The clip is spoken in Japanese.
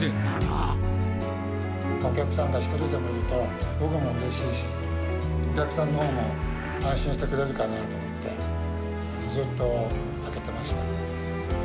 お客さんが一人でもいると、僕もうれしいし、お客さんのほうも安心してくれるかなと思って、ずっと開けてました。